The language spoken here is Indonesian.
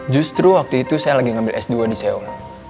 justru waktu itu saya lagi ngambil s dua di seoul